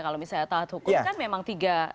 kalau misalnya taat hukum kan memang tiga